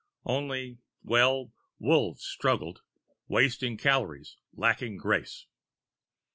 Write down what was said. Only well, Wolves struggled, wasting calories, lacking grace.